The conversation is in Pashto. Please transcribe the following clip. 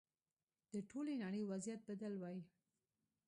د ټولې نړۍ وضعیت بدل وای.